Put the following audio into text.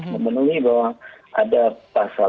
memenuhi bahwa ada pasal tiga puluh tiga